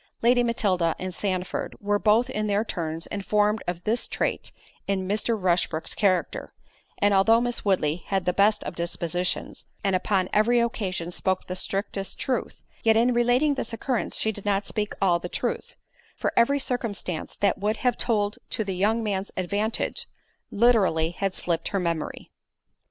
Lady Matilda and Sandford were both in their turns informed of this trait in Mr. Rushbrook's character; and although Miss Woodley had the best of dispositions, and upon every occasion spoke the strictest truth, yet in relating this occurrence, she did not speak all the truth; for every circumstance that would have told to the young man's advantage, literally had slipped her memory.